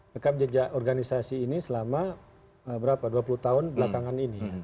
rekam jejak organisasi ini selama berapa dua puluh tahun belakangan ini